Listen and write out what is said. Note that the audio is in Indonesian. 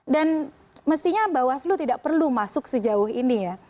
dan mestinya bawaslu tidak perlu masuk sejauh ini ya